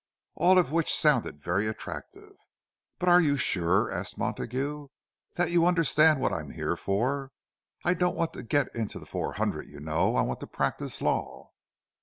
All of which sounded very attractive. "But are you sure," asked Montague, "that you understand what I'm here for? I don't want to get into the Four Hundred, you know—I want to practise law."